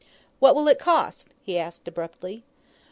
"What will it cost?" he asked abruptly.